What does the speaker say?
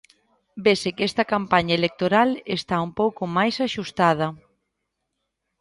Vese que esta campaña electoral está un pouco máis axustada.